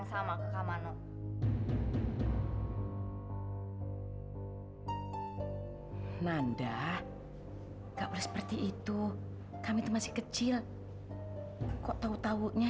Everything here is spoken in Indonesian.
sampai jumpa di video selanjutnya